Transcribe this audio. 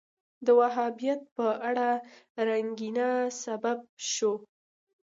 د وهابیت په اړه انګېرنه سبب شو